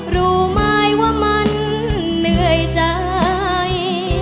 รู้ไหมว่ามันเหนื่อยใจ